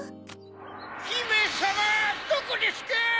ひめさまどこですか！